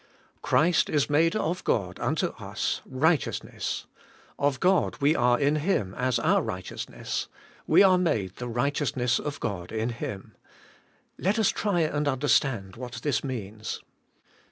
Christ is made of God unto us righteousness; of God we are in Him as our righteousness; we are made the righteousness of God in Him. Let us try and understand what this means.